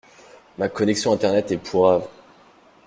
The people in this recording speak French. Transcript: Ma connexion internet est pourrave.